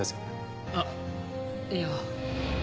あっいや。